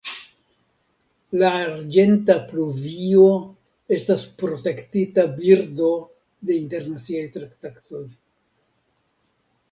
La arĝenta pluvio estas protektita birdo de internaciaj traktatoj.